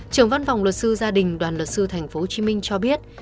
trưởng văn phòng luật sư gia đình đoàn luật sư tp hcm cho biết